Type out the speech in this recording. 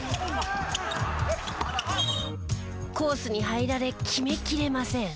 コースに入られ決めきれません。